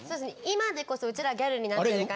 今でこそうちらギャルになってるから。